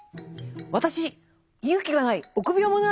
私勇気がない臆病者なんです。